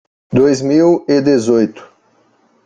Dois mil e dezoito.